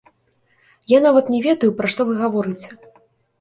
Я нават не ведаю, пра што вы гаворыце!